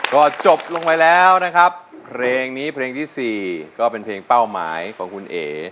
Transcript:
ก็จบลงไปแล้วนะครับเพลงนี้เพลงที่๔ก็เป็นเพลงเป้าหมายของคุณเอ๋